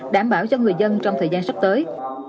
đảm bảo cho người dân trong thời gian sắp tới